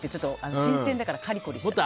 新鮮だから、カリコリしちゃって。